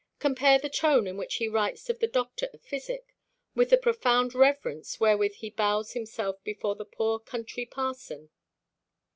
Compare the tone in which he writes of the doctor of physic, with the profound reverence wherewith he bows himself before the poor country parson."